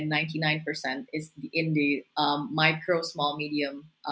di tingkat mikro kecil dan sederhana